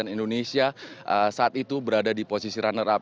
indonesia saat itu berada di posisi runner up